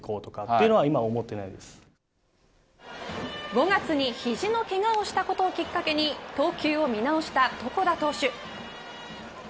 ５月にひじのけがをしたことをきっかけに投球を見直した床田投手。